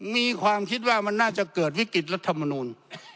มีความคิดว่ามันน่าจะเกิดวิกฤตรัฐมนูล